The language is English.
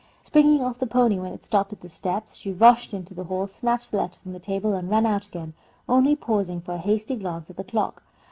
Springing off the pony when it stopped at the steps, she rushed into the hall, snatched the letter from the table, and ran out again, only pausing for a hasty glance at the clock.